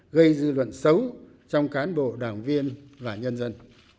gây dư luận xấu trong cán bộ đảng viên và nhân dân